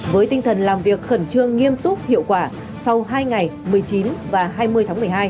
với tinh thần làm việc khẩn trương nghiêm túc hiệu quả sau hai ngày một mươi chín và hai mươi tháng một mươi hai